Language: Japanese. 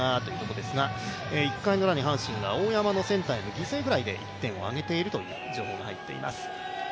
１回ウラに阪神が大山のセンターへの犠牲フライで１点を挙げているという情報が入っています。